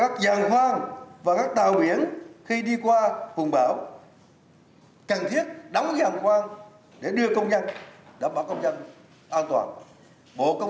các giàn khoang và các tàu biển khi đi qua vùng bão cần thiết đóng giàn khoang để đưa công dân an